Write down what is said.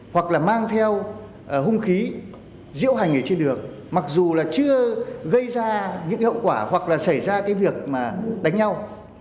hoặc là mang theo hung khí diễu hành ở trên đường mặc dù là chưa gây ra những hậu quả hoặc là xảy ra cái việc mà đánh nhau